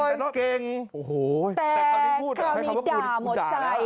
แต่คราวนี้พูดไม่ดาหมดใจ